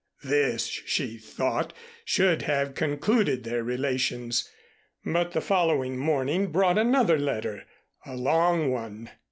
This, she thought, should have concluded their relations, but the following morning brought another letter a long one.